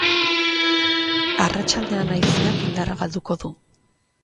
Arratsaldean haizeak indarra galduko du.